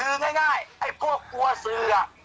แม่ยังคงมั่นใจและก็มีความหวังในการทำงานของเจ้าหน้าที่ตำรวจค่ะ